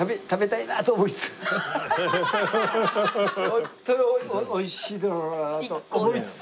ホントに美味しいんだろうなと思いつつ。